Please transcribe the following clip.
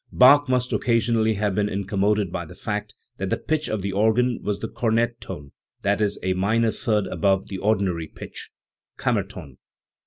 Bach must occasionally have been incommoded by the fact that the pitch of the organ was the cornet tone, i. e., a minor third above the ordinary pitch (Kammerton).